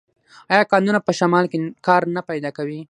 آیا کانونه په شمال کې کار نه پیدا کوي؟